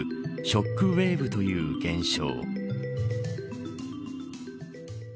ショックウェーブという現象。